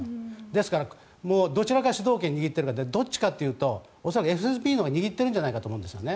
ですからどちらが主導権を握ってるかというとどっちかというと恐らくＦＳＢのほうが握っているんじゃないかと思うんです。